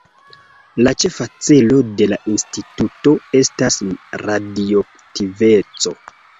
La ĉefa celo de la Instituto estas radioaktiveco.